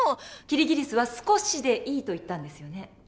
キリギリスは少しでいいと言ったんですよね？